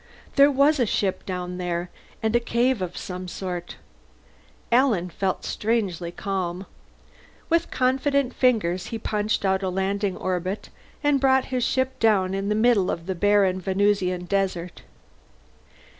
There was a ship down there, and a cave of some sort. Alan felt strangely calm. With confident fingers he punched out a landing orbit, and brought his ship down in the middle of the barren Venusian desert.